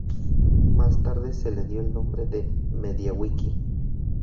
Más tarde se le dio el nombre de MediaWiki.